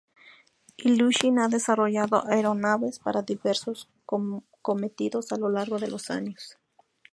Ilyushin ha desarrollado aeronaves para diversos cometidos a lo largo de los años.